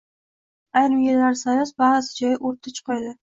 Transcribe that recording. Soyning ayrim erlari sayoz, ba`zi joyi o`ta chuqur edi